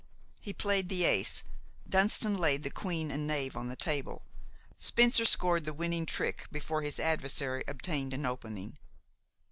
He played the ace. Dunston laid the queen and knave on the table. Spencer scored the winning trick before his adversary obtained an opening.